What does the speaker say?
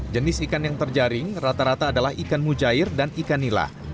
jenis ikan yang terjaring rata rata adalah ikan mujair dan ikan nila